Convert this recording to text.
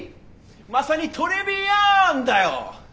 まさにトレビアンだよ！